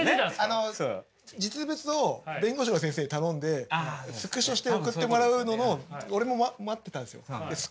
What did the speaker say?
あの実物を弁護士の先生に頼んでスクショして送ってもらうのを俺も待ってたんですよ。